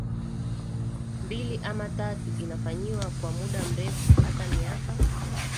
mbili ama tatu inafanyiwa kwa muda mrefu hata miaka